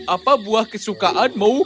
apa buah kesukaanmu